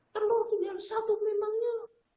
telur itu yang satu memangnya